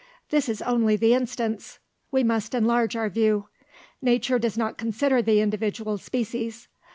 This is only the instance; we must enlarge our view. Nature does not consider the individual species.